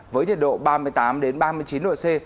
với nhiệt độ ba mươi tám ba mươi chín độ c